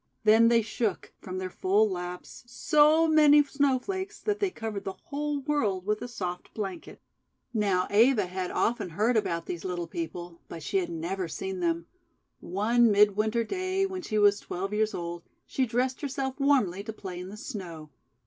Then they shook, from their full laps, so many Snowflakes that they covered the whole world with a soft blanket. Now Eva had often heard about these Little GARDEN OF FROST FLOWERS 305 People, but she had never seen them. One Mid Winter day, when she was twelve years old, she dressed herself w^armly to play in the Snow.